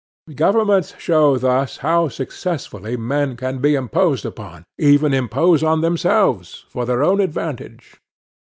Governments show thus how successfully men can be imposed on, even impose on themselves, for their own advantage.